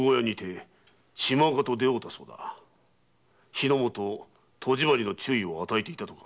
火の元・戸締まりの注意を与えていたとか。